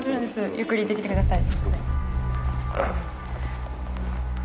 ゆっくり行ってきてください。